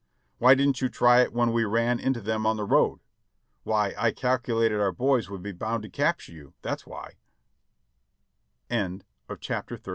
"Why didn't you try it when we ran into them on the road?" "Why I calculated our boys would be bound to capture vou, that's why " CHAPTER XXXII.